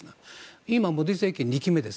今はモディ政権２期目です。